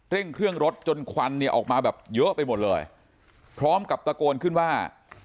เครื่องรถจนควันเนี่ยออกมาแบบเยอะไปหมดเลยพร้อมกับตะโกนขึ้นว่า